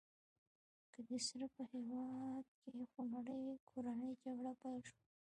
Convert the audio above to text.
له دې سره په هېواد کې خونړۍ کورنۍ جګړه پیل شوه.